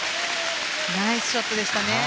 ナイスショットでしたね。